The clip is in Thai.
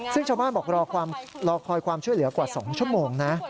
ซึ่งชาวบ้านบอกรอคอยความช่วยเหลือกว่า๒ชั่วโมงนะ